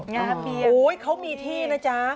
งาเบี่ยงอุ๊ยเขามีที่นะจ๊ะ